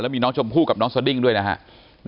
แล้วมีน้องชมผู้กับน้องสดิ้งด้วยนะฮะ